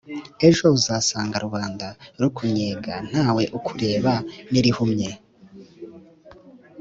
ejo uzasanga rubanda rukunnyega nta we ukureba n'irihuye.